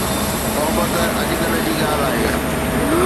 محبت اڄڪلهه جي ڳالهه آهي